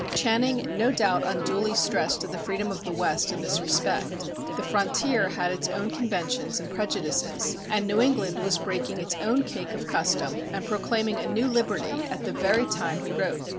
Channing no doubt unduly stressed the freedom of the West in this respect. The frontier had its own conventions and prejudices, and New England was breaking its own cake of custom and proclaiming a new liberty at the very time he wrote.